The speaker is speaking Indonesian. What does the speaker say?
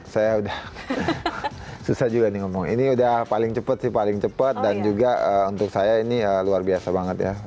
saya udah susah juga nih ngomong ini udah paling cepat sih paling cepat dan juga untuk saya ini ya luar biasa banget ya